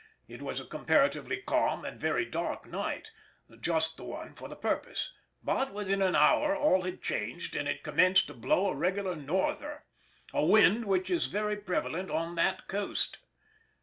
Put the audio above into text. It was a comparatively calm and very dark night, just the one for the purpose, but within an hour all had changed and it commenced to blow a regular "Norther," a wind which is very prevalent on that coast.